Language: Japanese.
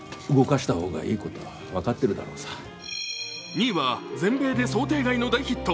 ２位は全米で想定外の大ヒット。